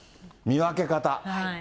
見分け方。